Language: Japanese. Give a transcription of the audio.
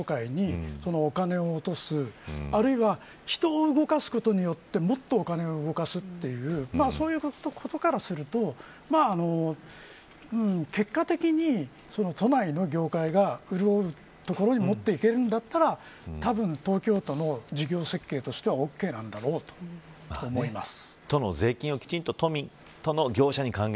やはり、そういうところは都内の観光業界にお金を落とすあるいは人を動かすことによってもっとお金を動かすというそういうことからすると結果的に、都内の業界が潤うところに持っていけるんだったらたぶん、東京都の事業設計としてはオーケーなんだろうと思います。